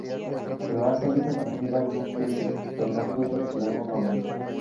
Croacia quiso participar en un principio, pero no pudo por problemas económicos.